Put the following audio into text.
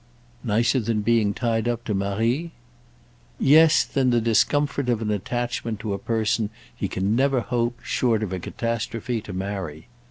"Nicer than being tied up to Marie?" "Yes—than the discomfort of an attachment to a person he can never hope, short of a catastrophe, to marry.